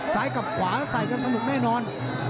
กับขวาใส่กันสนุกแน่นอน